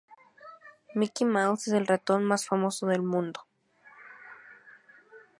Mickey Mouse es el ratón más famoso del mundo.